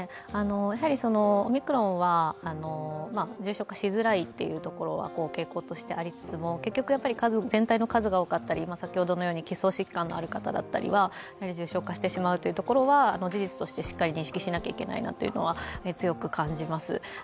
オミクロンは重症化しづらいというところは傾向としてありつつも結局全体の数が多かったり基礎疾患がある方だったりは重症化してしまうところは事実としてしっかり認識しなきゃいけないなというのは強く感じます。